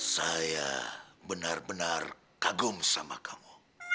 saya benar benar kagum sama kamu